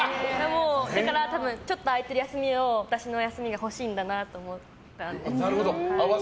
だから、多分ちょっと空いてる休みを私の休みが欲しいんだなって思ったんです。